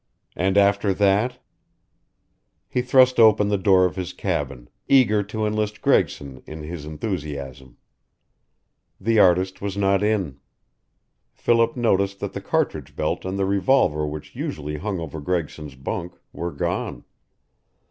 And after that He thrust open the door of his cabin, eager to enlist Gregson in his enthusiasm. The artist was not in. Philip noticed that the cartridge belt and the revolver which usually hung over Gregson's bunk were gone.